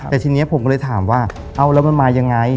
แต่ทีนี้ผมก็เลยถามว่าเอาแล้วมันมายังไง